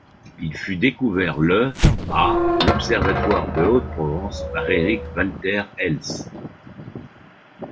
Il fut découvert le à l'Observatoire de Haute-Provence par Eric Walter Elst.